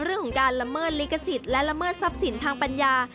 เรื่องของการละเมิดลิขสิทธิ์และละเมิดทรัพย์สินทางปัญญา